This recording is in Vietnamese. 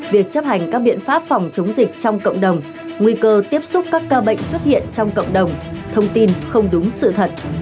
việc chấp hành các biện pháp phòng chống dịch trong cộng đồng nguy cơ tiếp xúc các ca bệnh xuất hiện trong cộng đồng thông tin không đúng sự thật